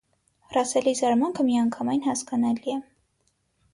Ռասելի զարմանքը միանգամայն հասկանալի է։